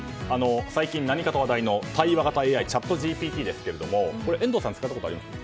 最近何かと話題の対話型ＡＩチャットＧＰＴですけれども遠藤さんは使ったことありますか？